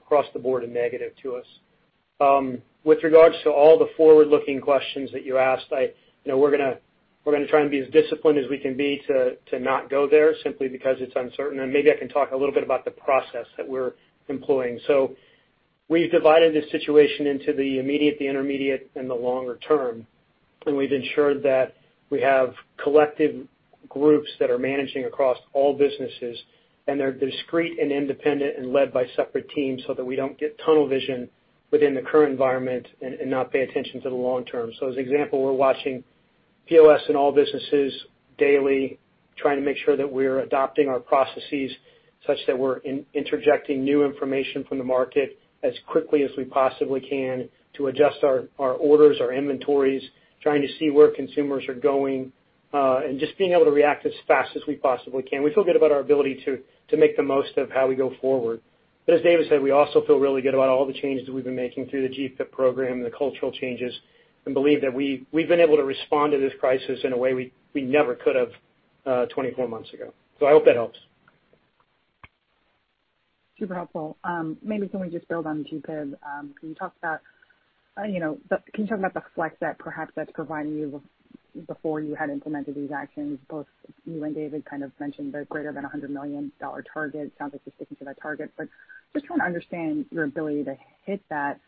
E: across the board a negative to us. With regards to all the forward-looking questions that you asked, we're going to try and be as disciplined as we can be to not go there simply because it's uncertain, and maybe I can talk a little bit about the process that we're employing. We've divided this situation into the immediate, the intermediate, and the longer term, and we've ensured that we have collective groups that are managing across all businesses, and they're discrete and independent and led by separate teams so that we don't get tunnel vision within the current environment and not pay attention to the long term. As an example, we're watching POS in all businesses daily, trying to make sure that we're adopting our processes such that we're interjecting new information from the market as quickly as we possibly can to adjust our orders, our inventories, trying to see where consumers are going, and just being able to react as fast as we possibly can. We feel good about our ability to make the most of how we go forward. As David said, we also feel really good about all the changes that we've been making through the GPIP program and the cultural changes, and believe that we've been able to respond to this crisis in a way we never could have 24 months ago. I hope that helps.
F: Super helpful. Maybe can we just build on GPIP? Can you talk about the flex that perhaps that's providing you before you had implemented these actions? Both you and David kind of mentioned the greater than $100 million target. It sounds like you're sticking to that target, but just trying to understand your ability to hit that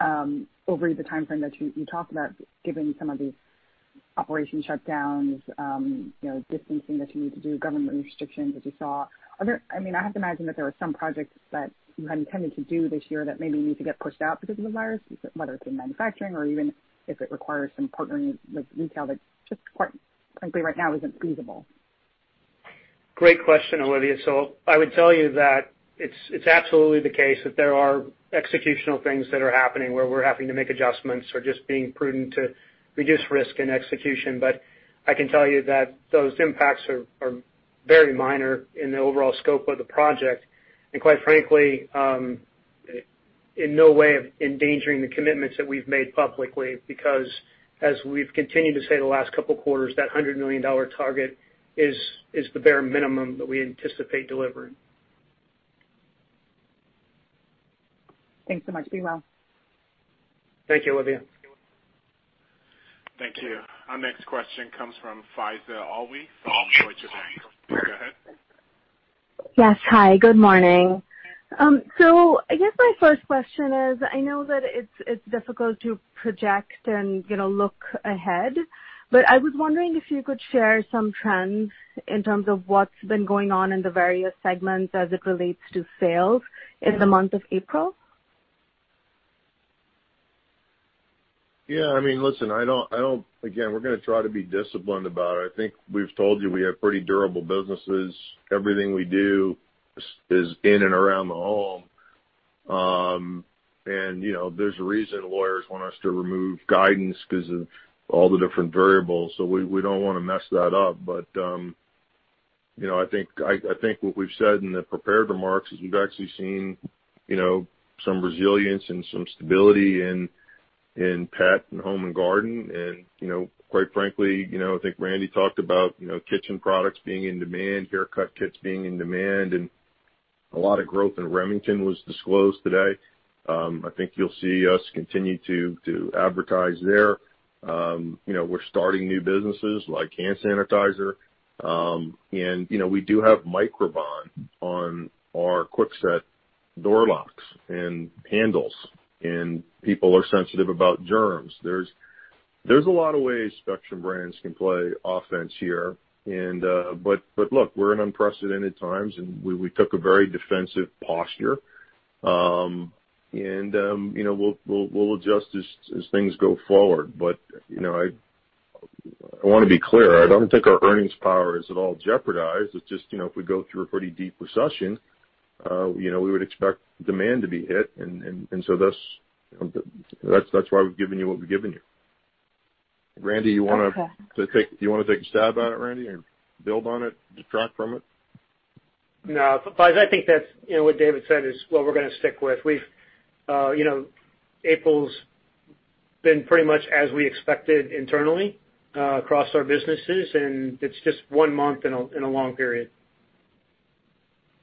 F: over the timeframe that you talked about, given some of these operation shutdowns, distancing that you need to do, government restrictions as you saw. I have to imagine that there were some projects that you had intended to do this year that maybe need to get pushed out because of the virus, whether it's in manufacturing or even if it requires some partnering with retail that just quite frankly, right now isn't feasible.
E: Great question, Olivia. I would tell you that it's absolutely the case that there are executional things that are happening where we're having to make adjustments or just being prudent to reduce risk in execution. I can tell you that those impacts are very minor in the overall scope of the project, and quite frankly, in no way endangering the commitments that we've made publicly. As we've continued to say the last couple of quarters, that $100 million target is the bare minimum that we anticipate delivering.
F: Thanks so much. Be well.
E: Thank you, Olivia.
B: Thank you. Our next question comes from Faiza Alwy from Deutsche Bank. Go ahead.
G: Yes. Hi, good morning. I guess my first question is, I know that it's difficult to project and look ahead, but I was wondering if you could share some trends in terms of what's been going on in the various segments as it relates to sales in the month of April.
C: Yeah. Listen, again, we're going to try to be disciplined about it. I think we've told you we have pretty durable businesses. Everything we do is in and around the home. There's a reason lawyers want us to remove guidance because of all the different variables. We don't want to mess that up. I think what we've said in the prepared remarks is we've actually seen some resilience and some stability in pet and home and garden. Quite frankly, I think Randy talked about kitchen products being in demand, haircut kits being in demand, and a lot of growth in Remington was disclosed today. I think you'll see us continue to advertise there. We're starting new businesses like hand sanitizer. We do have Microban on our Kwikset door locks and handles, and people are sensitive about germs. There's a lot of ways Spectrum Brands can play offense here. Look, we're in unprecedented times, and we took a very defensive posture. We'll adjust as things go forward. I want to be clear, I don't think our earnings power is at all jeopardized. It's just if we go through a pretty deep recession, we would expect demand to be hit. That's why we've given you what we've given you. Randy, you want to take a stab at it, Randy, or build on it, detract from it?
E: No. Faiza, I think that what David said is what we're going to stick with. April's been pretty much as we expected internally across our businesses. It's just one month in a long period.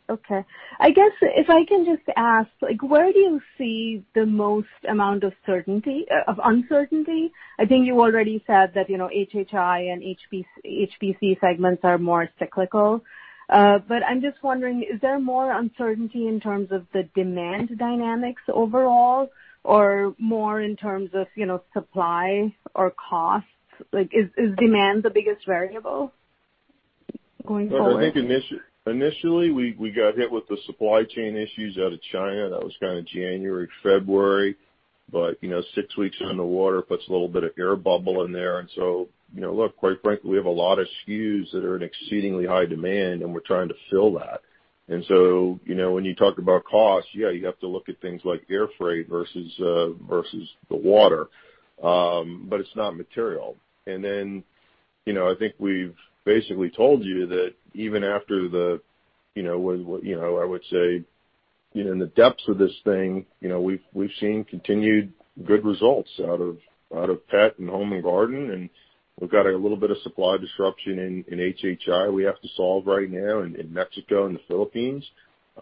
G: Okay. I guess if I can just ask, where do you see the most amount of uncertainty? I think you already said that HHI and HPC segments are more cyclical. I'm just wondering, is there more uncertainty in terms of the demand dynamics overall or more in terms of supply or costs? Is demand the biggest variable going forward?
C: I think initially, we got hit with the supply chain issues out of China. That was January, February. Six weeks on the water puts a little bit of air bubble in there. Look, quite frankly, we have a lot of SKUs that are in exceedingly high demand, and we're trying to fill that. When you talk about cost, yeah, you have to look at things like air freight versus the water. It's not material. I think we've basically told you that even after the, I would say, in the depths of this thing, we've seen continued good results out of Global Pet Care and Home & Garden, and we've got a little bit of supply disruption in HHI we have to solve right now in Mexico and the Philippines.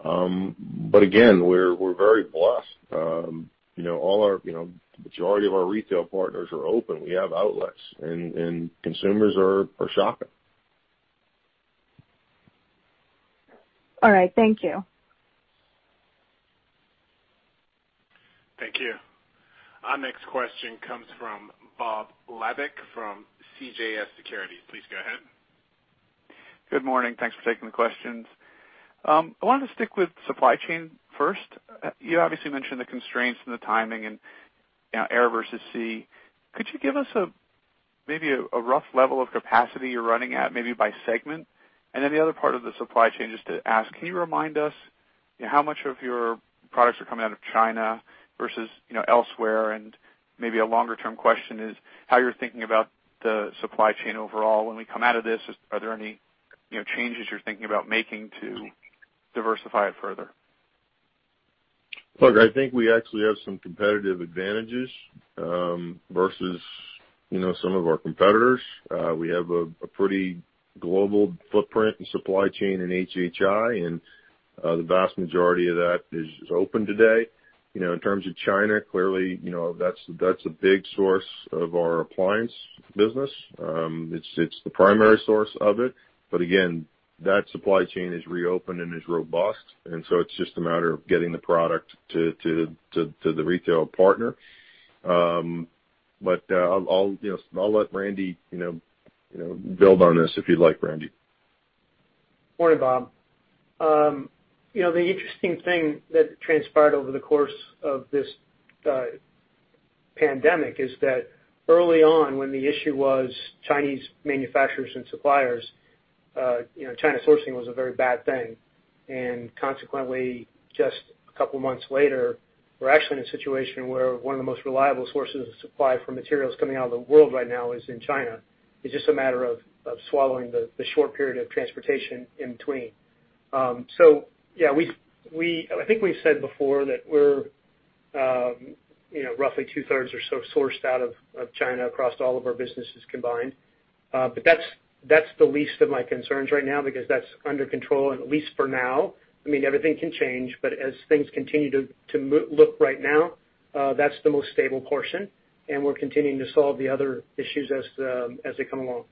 C: Again, we're very blessed. The majority of our retail partners are open. We have outlets, and consumers are shopping.
G: All right. Thank you.
A: Thank you. Our next question comes from Bob Labick from CJS Securities. Please go ahead.
H: Good morning. Thanks for taking the questions. I wanted to stick with supply chain first. You obviously mentioned the constraints and the timing and air versus sea. Could you give us maybe a rough level of capacity you're running at, maybe by segment? The other part of the supply chain is to ask, can you remind us how much of your products are coming out of China versus elsewhere, and maybe a longer-term question is how you're thinking about the supply chain overall when we come out of this. Are there any changes you're thinking about making to diversify it further?
C: I think we actually have some competitive advantages versus some of our competitors. We have a pretty global footprint and supply chain in HHI, and the vast majority of that is open today. In terms of China, clearly, that's a big source of our appliance business. It's the primary source of it. Again, that supply chain is reopened and is robust, and so it's just a matter of getting the product to the retail partner. I'll let Randy build on this, if you'd like, Randy.
E: Morning, Bob. The interesting thing that transpired over the course of this pandemic is that early on, when the issue was Chinese manufacturers and suppliers, China sourcing was a very bad thing. Consequently, just a couple of months later, we're actually in a situation where one of the most reliable sources of supply for materials coming out of the world right now is in China. It's just a matter of swallowing the short period of transportation in between. Yeah, I think we've said before that we're roughly 2/3 are sourced out of China across all of our businesses combined. That's the least of my concerns right now because that's under control, and at least for now. Everything can change, but as things continue to look right now, that's the most stable portion, and we're continuing to solve the other issues as they come along.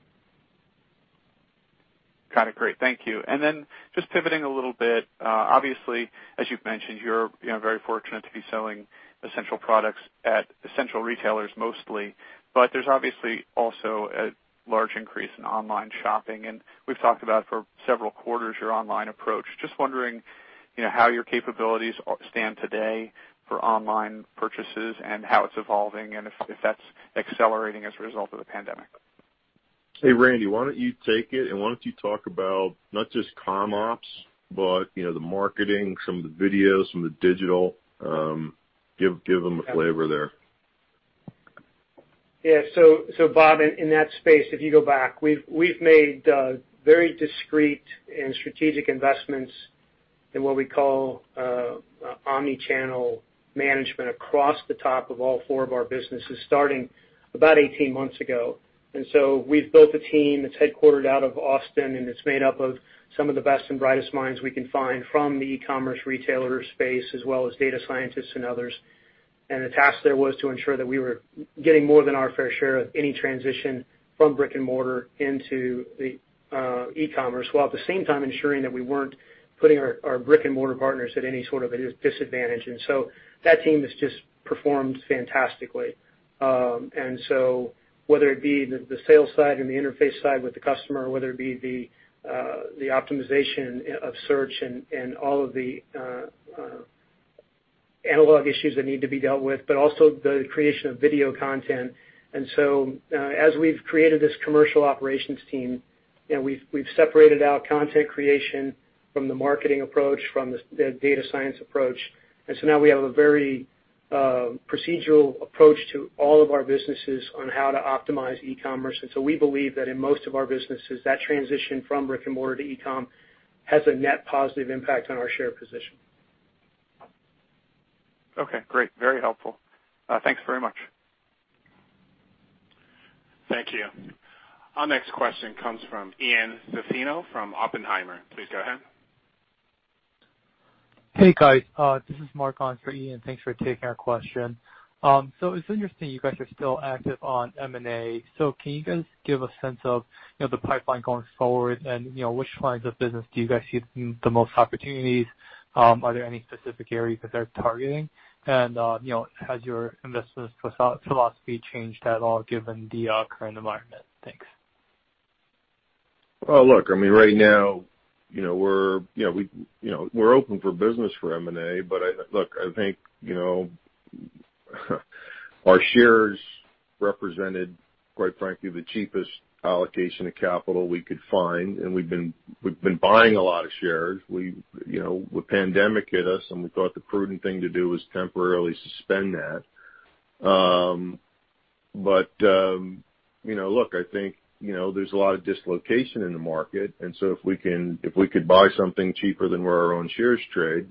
H: Got it. Great. Thank you. Then just pivoting a little bit. Obviously, as you've mentioned, you're very fortunate to be selling essential products at essential retailers mostly, but there's obviously also a large increase in online shopping. We've talked about for several quarters your online approach. Just wondering how your capabilities stand today for online purchases and how it's evolving and if that's accelerating as a result of the pandemic.
C: Hey, Randy, why don't you take it. Why don't you talk about not just Comm Ops, but the marketing, some of the videos, some of the digital. Give them a flavor there.
E: Yeah. Bob, in that space, if you go back, we've made very discreet and strategic investments in what we call omni-channel management across the top of all four of our businesses, starting about 18 months ago. We've built a team that's headquartered out of Austin, and it's made up of some of the best and brightest minds we can find from the e-commerce retailer space, as well as data scientists and others. The task there was to ensure that we were getting more than our fair share of any transition from brick-and-mortar into the e-commerce, while at the same time ensuring that we weren't putting our brick-and-mortar partners at any sort of a disadvantage. That team has just performed fantastically. Whether it be the sales side and the interface side with the customer, or whether it be the optimization of search and all of the analog issues that need to be dealt with, but also the creation of video content. As we've created this commercial operations team, we've separated out content creation from the marketing approach, from the data science approach. Now we have a very procedural approach to all of our businesses on how to optimize e-commerce. We believe that in most of our businesses, that transition from brick and mortar to e-com has a net positive impact on our share position.
H: Okay, great. Very helpful. Thanks very much.
A: Thank you. Our next question comes from Ian Zaffino from Oppenheimer. Please go ahead.
I: Hey, guys. This is Mark on for Ian. Thanks for taking our question. It's interesting you guys are still active on M&A. Can you guys give a sense of the pipeline going forward and which lines of business do you guys see the most opportunities? Are there any specific areas that they're targeting? Has your investments philosophy changed at all given the current environment? Thanks.
C: Well, look, right now, we're open for business for M&A. Look, I think, our shares represented, quite frankly, the cheapest allocation of capital we could find. We've been buying a lot of shares. The pandemic hit us, and we thought the prudent thing to do was temporarily suspend that. Look, I think there's a lot of dislocation in the market, and so if we could buy something cheaper than where our own shares trade,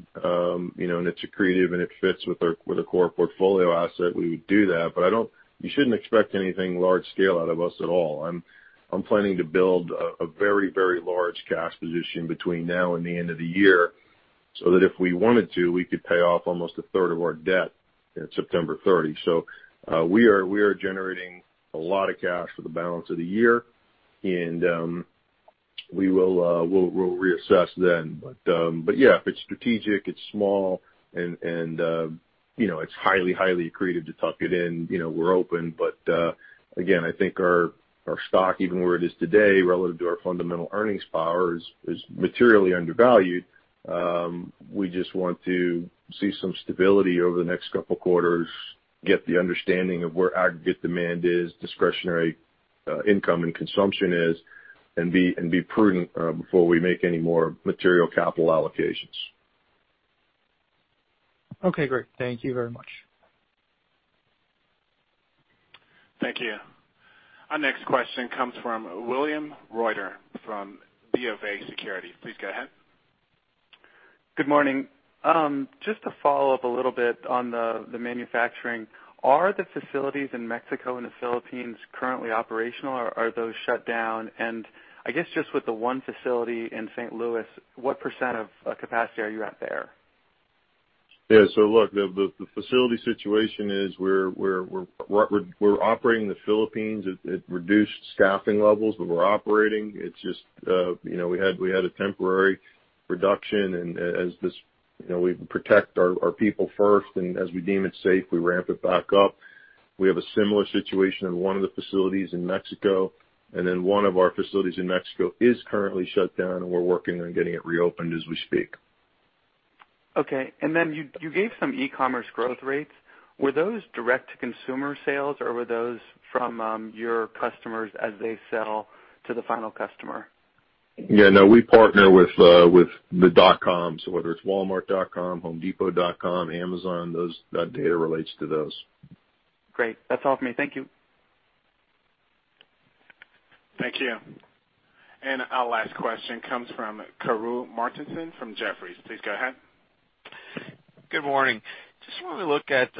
C: and it's accretive and it fits with a core portfolio asset, we would do that. You shouldn't expect anything large scale out of us at all. I'm planning to build a very large cash position between now and the end of the year, so that if we wanted to, we could pay off almost a third of our debt at September 30. We are generating a lot of cash for the balance of the year, and we'll reassess then. Yeah, if it's strategic, it's small, and it's highly accretive to tuck it in, we're open. Again, I think our stock, even where it is today relative to our fundamental earnings power, is materially undervalued. We just want to see some stability over the next couple of quarters, get the understanding of where aggregate demand is, discretionary income and consumption is, and be prudent before we make any more material capital allocations.
I: Okay, great. Thank you very much.
A: Thank you. Our next question comes from William Reuter from BofA Securities. Please go ahead.
J: Good morning. Just to follow up a little bit on the manufacturing, are the facilities in Mexico and the Philippines currently operational, or are those shut down? I guess just with the one facility in St. Louis, what % of capacity are you at there?
C: Yeah. Look, the facility situation is we're operating the Philippines at reduced staffing levels, but we're operating. We had a temporary reduction and we protect our people first, and as we deem it safe, we ramp it back up. We have a similar situation in one of the facilities in Mexico. One of our facilities in Mexico is currently shut down, and we're working on getting it reopened as we speak.
J: Okay. You gave some e-commerce growth rates. Were those direct-to-consumer sales, or were those from your customers as they sell to the final customer?
C: Yeah, no, we partner with the dot coms, whether it's walmart.com, homedepot.com, Amazon, that data relates to those.
J: Great. That's all for me. Thank you.
A: Thank you. Our last question comes from Karru Martinson from Jefferies. Please go ahead.
K: Good morning. Just want to look at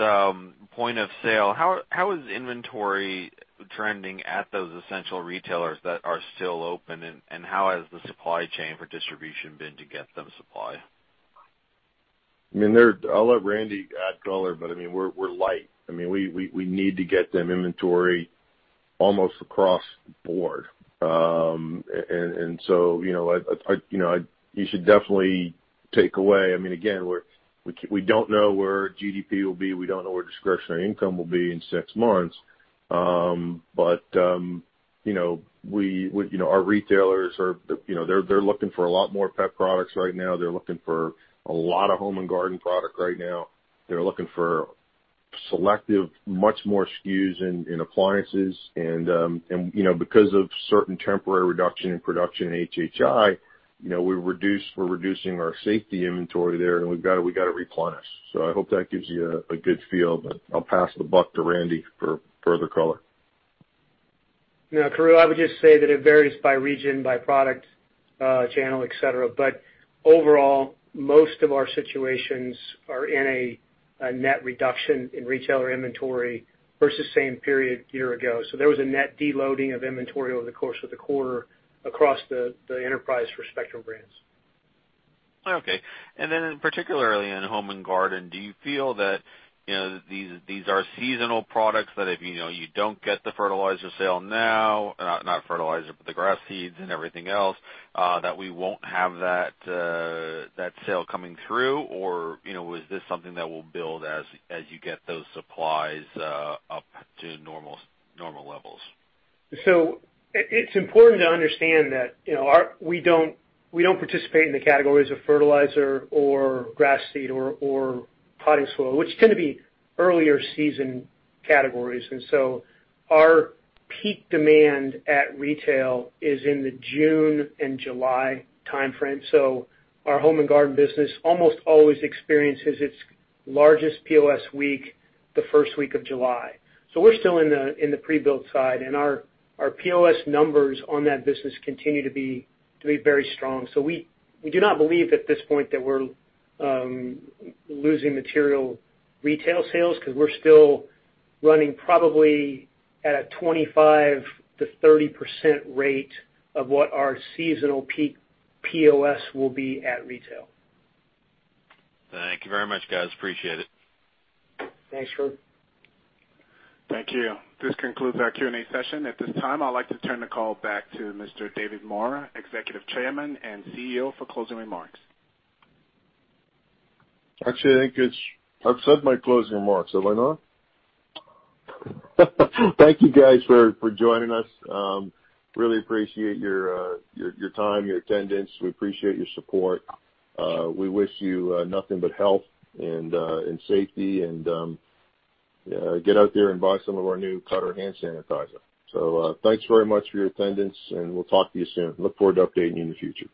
K: point of sale. How is inventory trending at those essential retailers that are still open, and how has the supply chain for distribution been to get them supplied?
C: I'll let Randy add color, but we're light. We need to get them inventory almost across board. You should definitely take away. Again, we don't know where GDP will be. We don't know where discretionary income will be in six months. Our retailers, they're looking for a lot more pet products right now. They're looking for a lot of Home & Garden product right now. They're looking for selective, much more SKUs in appliances. Because of certain temporary reduction in production in HHI, we're reducing our safety inventory there, and we've got to replenish. I hope that gives you a good feel. I'll pass the buck to Randy for further color.
E: Yeah, Karru, I would just say that it varies by region, by product channel, et cetera. Overall, most of our situations are in a net reduction in retailer inventory versus same period year ago. There was a net deloading of inventory over the course of the quarter across the enterprise for Spectrum Brands.
K: Okay. Particularly in Home & Garden, do you feel that these are seasonal products that if you don't get the fertilizer sale now, not fertilizer, but the grass seeds and everything else, that we won't have that sale coming through? Is this something that will build as you get those supplies up to normal levels?
E: It's important to understand that we don't participate in the categories of fertilizer or grass seed or potting soil, which tend to be earlier season categories. Our peak demand at retail is in the June and July timeframe. Our Home & Garden business almost always experiences its largest POS week the first week of July. We're still in the pre-build side, and our POS numbers on that business continue to be very strong. We do not believe at this point that we're losing material retail sales because we're still running probably at a 25%-30% rate of what our seasonal peak POS will be at retail.
K: Thank you very much, guys. Appreciate it.
E: Thanks, Karru.
A: Thank you. This concludes our Q&A session. At this time, I'd like to turn the call back to Mr. David Maura, Executive Chairman and CEO, for closing remarks.
C: Actually, I think I've said my closing remarks. Have I not? Thank you guys for joining us. Really appreciate your time, your attendance. We appreciate your support. We wish you nothing but health and safety. Get out there and buy some of our new Cutter hand sanitizer. Thanks very much for your attendance, and we'll talk to you soon. Look forward to updating you in the future.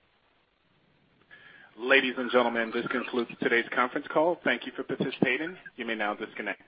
A: Ladies and gentlemen, this concludes today's conference call. Thank you for participating. You may now disconnect.